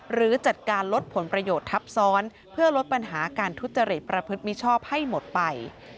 หรือจัดการลดผลประโยชน์ทับซ้อนเพื่อลดปัญหาการทุจริตประพฤติมิชอบให้หมดไป